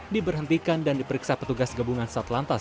diberhentikan dan diperiksa petugas gabungan satlantas